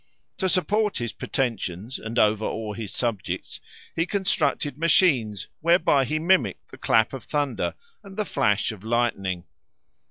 To support his pretensions and overawe his subjects, he constructed machines whereby he mimicked the clap of thunder and the flash of lightning.